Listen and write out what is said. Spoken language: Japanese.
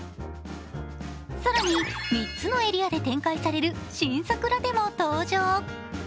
更に、３つのエリアで展開される新作ラテも登場。